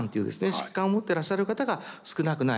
疾患を持ってらっしゃる方が少なくない。